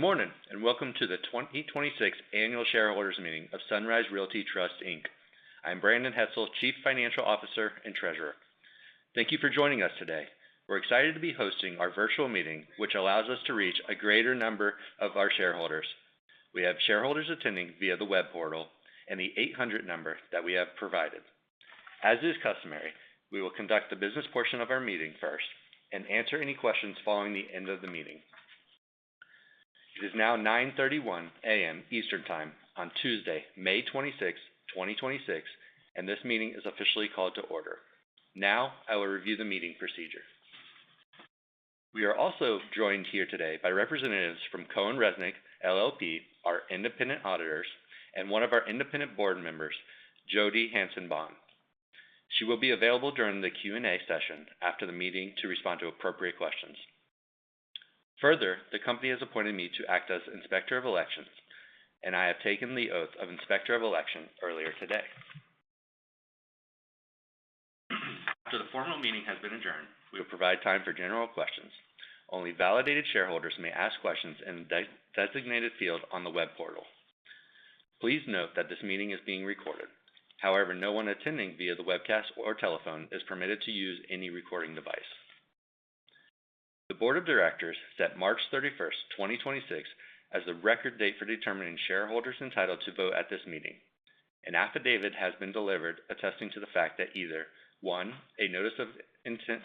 Good morning, welcome to the 2026 Annual Shareholders Meeting of Sunrise Realty Trust, Inc. I'm Brandon Hetzel, Chief Financial Officer and Treasurer. Thank you for joining us today. We're excited to be hosting our virtual meeting, which allows us to reach a greater number of our shareholders. We have shareholders attending via the web portal and the 800 number that we have provided. As is customary, we will conduct the business portion of our meeting first and answer any questions following the end of the meeting. It is now 9:31 A.M. Eastern Time on Tuesday, May 26, 2026, and this meeting is officially called to order. Now I will review the meeting procedure. We are also joined here today by representatives from CohnReznick LLP, our independent auditors, and one of our independent board members, Jodi Hanson Bond. She will be available during the Q&A session after the meeting to respond to appropriate questions. Further, the company has appointed me to act as Inspector of Elections, and I have taken the oath of Inspector of Election earlier today. After the formal meeting has been adjourned, we will provide time for general questions. Only validated shareholders may ask questions in the designated field on the web portal. Please note that this meeting is being recorded. However, no one attending via the webcast or telephone is permitted to use any recording device. The Board of Directors set March 31st, 2026, as the record date for determining shareholders entitled to vote at this meeting. An affidavit has been delivered attesting to the fact that either, one, a notice of intent,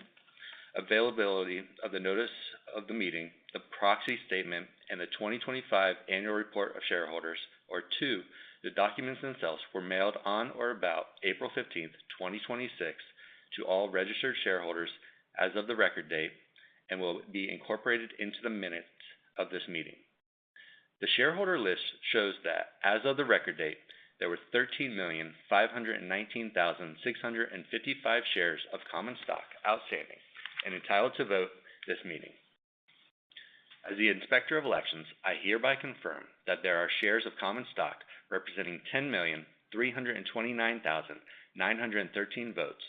availability of the notice of the meeting, the proxy statement, and the 2025 annual report of shareholders, or two, the documents themselves were mailed on or about April 15th, 2026, to all registered shareholders as of the record date and will be incorporated into the minutes of this meeting. The shareholder list shows that as of the record date, there were 13,519,655 shares of common stock outstanding and entitled to vote this meeting. As the Inspector of Elections, I hereby confirm that there are shares of common stock representing 10,329,913 votes,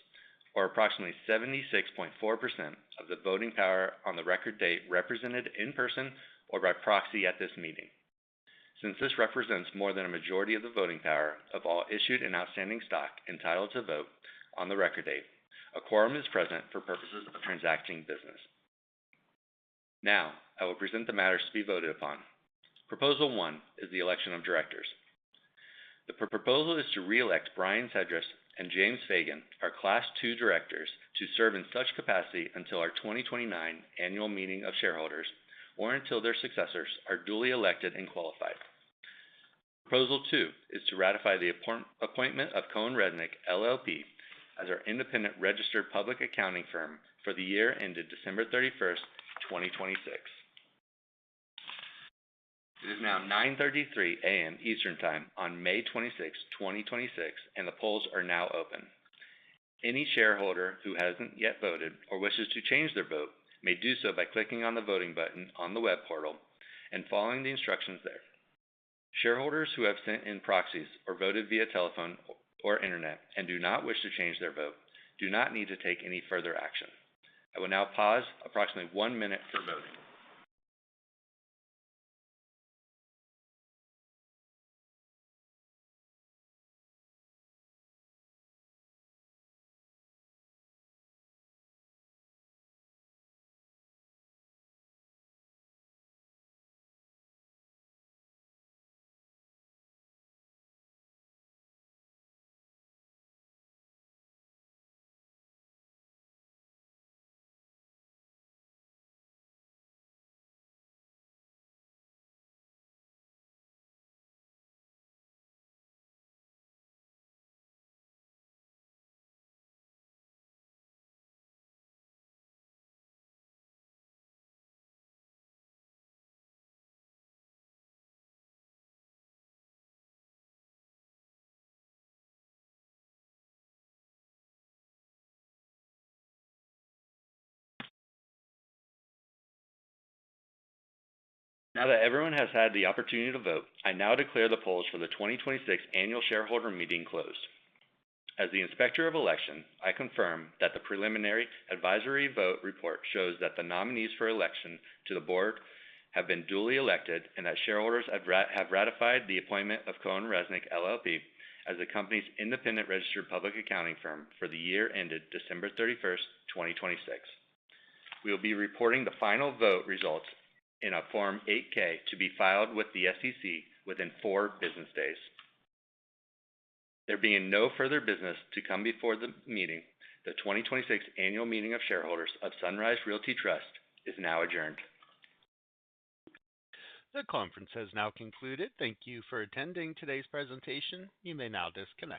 or approximately 76.4% of the voting power on the record date represented in person or by proxy at this meeting. Since this represents more than a majority of the voting power of all issued and outstanding stock entitled to vote on the record date, a quorum is present for purposes of transacting business. Now I will present the matters to be voted upon. Proposal one is the election of directors. The proposal is to reelect Brian Sedrish and James Fagan, our Class II directors, to serve in such capacity until our 2029 annual meeting of shareholders, or until their successors are duly elected and qualified. Proposal two is to ratify the appointment of CohnReznick LLP as our independent registered public accounting firm for the year ended December 31st, 2026. It is now 9:33 A.M. Eastern Time on May 26, 2026, and the polls are now open. Any shareholder who hasn't yet voted or wishes to change their vote may do so by clicking on the voting button on the web portal and following the instructions there. Shareholders who have sent in proxies or voted via telephone or internet and do not wish to change their vote do not need to take any further action. I will now pause approximately one minute for voting. Now that everyone has had the opportunity to vote, I now declare the polls for the 2026 Annual Shareholder Meeting closed. As the Inspector of Election, I confirm that the preliminary advisory vote report shows that the nominees for election to the board have been duly elected, and that shareholders have ratified the appointment of CohnReznick LLP as the company's independent registered public accounting firm for the year ended December 31st, 2026. We will be reporting the final vote results in a Form 8-K to be filed with the SEC within four business days. There being no further business to come before the meeting, the 2026 annual meeting of shareholders of Sunrise Realty Trust is now adjourned. The conference has now concluded. Thank you for attending today's presentation. You may now disconnect.